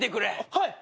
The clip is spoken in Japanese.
はい！